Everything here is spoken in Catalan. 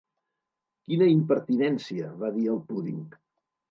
"Quina impertinència!", va dir el púding.